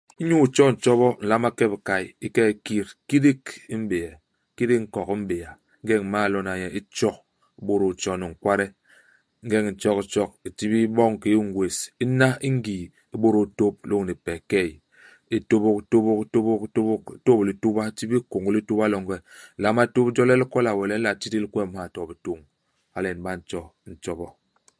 "Inyu itjo ntjobo, u nlama ke i bikay, u ke""e u kit kidik i m'béa, kidik i nkok u m'béa. Ingeñ u m'mal lona nye ndi u tjo, u bôdôl tjo ni nkwade. Ingeñ u ntjok u tjok u tibil boñ kiki u ngwés, hana i ngii, u bôdôl tôp lôñni pes i key. U tobôk u tôbôk u tôbôk u tôbôk, u tôp lituba, u tibil kông lituba longe. U nlama tôp jo le li kola we longe le u nla tidil kwem ha to bitôñ. Hala nyen ba nto ntjobo."